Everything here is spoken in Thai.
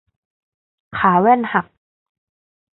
ขาแว่นหัก